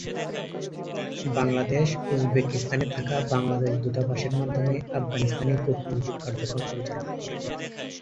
বাংলাদেশ উজবেকিস্তানে থাকা বাংলাদেশ দূতাবাসের মাধ্যমে আফগানিস্তানে কূটনৈতিক কার্যক্রম পরিচালনা করে।